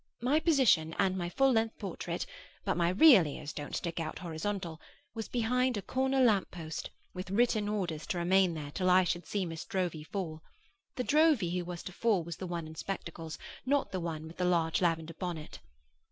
My position and my full length portrait (but my real ears don't stick out horizontal) was behind a corner lamp post, with written orders to remain there till I should see Miss Drowvey fall. The Drowvey who was to fall was the one in spectacles, not the one with the large lavender bonnet.